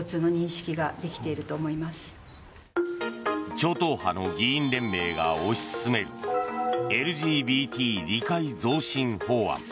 超党派の議員連盟が推し進めるＬＧＢＴ理解増進法案。